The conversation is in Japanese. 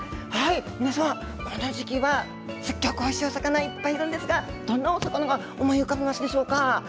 皆さん、この時期はすギョくおいしい魚がいっぱいいるんですがどんな魚か思い浮かびますでしょうか。